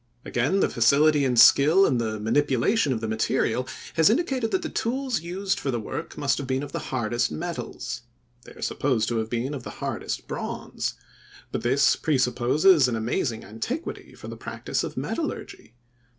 Again, the facility and skill in the manipulation of the material has indicated that the tools used for the work must have been of the hardest metals. They are supposed to have been of the hardest bronze. But this presupposes an amazing antiquity for the practice of metallurgy.